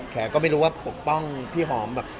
แกก็ไม่รู้ว่าปกป้องพี่หอมแบบ